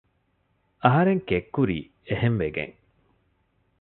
އަހަރެން ކެތް ކުރީ އެހެންވެގެން